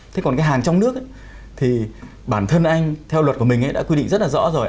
thế còn cái hàng trong nước thì bản thân anh theo luật của mình đã quy định rất là rõ rồi